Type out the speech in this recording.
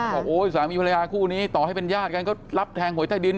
โอ้ยสามีภรรยาคู่นี้ต่อให้เป็นญาติกันก็รับแทงหวยใต้ดิน